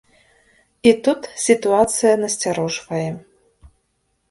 І тут сітуацыя насцярожвае.